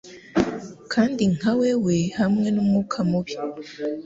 Kandi nka we we hamwe numwuka mubi